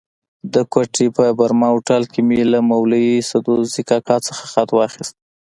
د کوټې په برمه هوټل کې مې له مولوي سدوزي کاکا څخه خط واخیست.